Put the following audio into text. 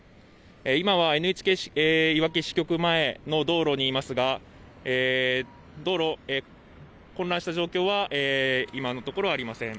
今はＮＨＫいわき支局前の道路にいますが道路、混乱した状況は今のところありません。